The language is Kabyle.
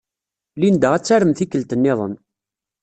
Linda ad tarem tikkelt niḍen.